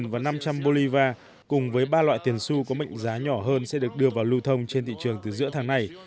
và năm trăm linh bolivar cùng với ba loại tiền su có mệnh giá nhỏ hơn sẽ được đưa vào lưu thông trên thị trường từ giữa tháng này